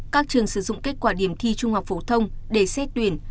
các trường sử dụng kết quả điểm thi trung học phổ thông để xét tuyển